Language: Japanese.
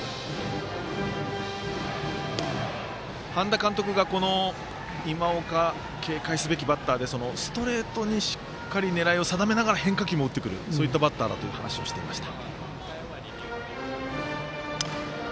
半田監督が今岡を警戒すべきバッターで、ストレートにしっかり狙いを定めながら変化球も打ってくるそういったバッターだという話をしていました。